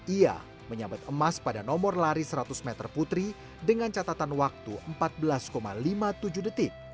ia menyabet emas pada nomor lari seratus meter putri dengan catatan waktu empat belas lima puluh tujuh detik